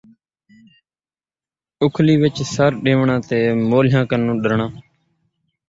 اُکھلی وچ سر ݙیوݨا تے مولھیاں کنوں ݙرݨا